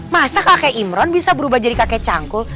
masa kakek imron bisa berubah jadi kakek cangkul